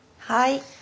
はい。